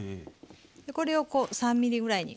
でこれをこう３ｍｍぐらいに。